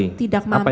saya tidak mampir